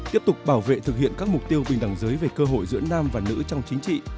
tiếp tục bảo vệ thực hiện các mục tiêu bình đẳng giới về cơ hội giữa nam và nữ trong chính trị